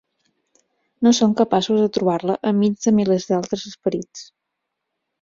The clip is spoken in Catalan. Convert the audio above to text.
No són capaços de trobar-la enmig de milers d'altres esperits.